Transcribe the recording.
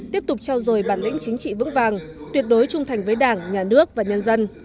tiếp tục trao dồi bản lĩnh chính trị vững vàng tuyệt đối trung thành với đảng nhà nước và nhân dân